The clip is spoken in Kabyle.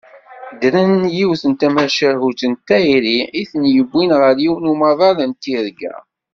Ddren yiwet n tmacahut n tayri i ten-yewwin ɣer yiwen umaḍal n tirga.